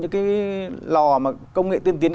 những cái lò mà công nghệ tiên tiến